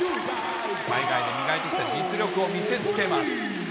海外で磨いてきた実力を見せつけます。